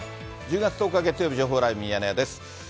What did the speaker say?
１０月１０日月曜日、情報ライブミヤネ屋です。